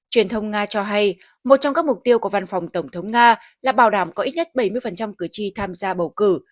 truyền thông nga cho hay một trong các mục tiêu của văn phòng tổng thống nga là bảo đảm có ít nhất bảy mươi cử tri tham gia bầu cử